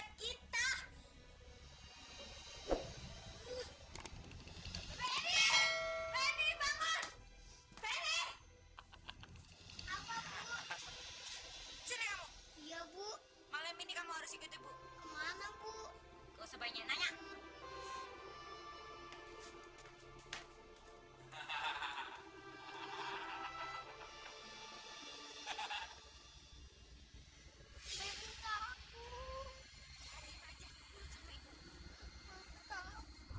tingkin sanji warna di sungai cip gak bisa bikin kita kaya